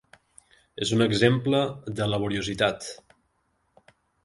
És un exemple de laboriositat.